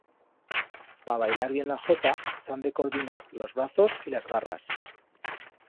Pa bailar bien la jota s'han de coordinar los brazos y las garras.